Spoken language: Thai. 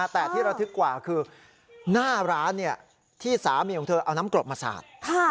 แต่ที่ระทึกกว่าคือหน้าร้านที่สามีของเธอเอาน้ำกรดมาสาด